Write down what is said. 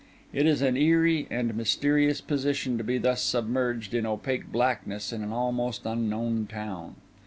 It is an eerie and mysterious position to be thus submerged in opaque blackness in an almost unknown town.